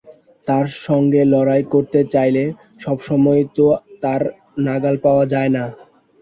তার সঙ্গে লড়াই করতে চাইলে সব সময় তো তার নাগাল পাওয়া যায় না।